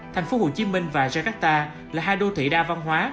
thành phố hồ chí minh và jakarta là hai đô thị đa văn hóa